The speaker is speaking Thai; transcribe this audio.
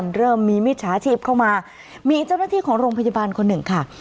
เริ่มมีมิจฉาชีพเข้ามามีเจ้าหน้าที่ของโรงพยาบาลคนหนึ่งค่ะ